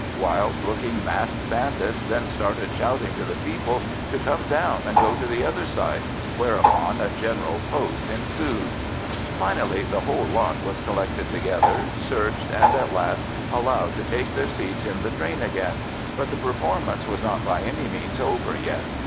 Wild looking masked bandits then started shouting to the people to come down and go to the other side, whereupon a general post ensued. Finally, the whole lot was collected together, searched, and at last allowed to take their seats in the train again; but the performance was not by any means over yet.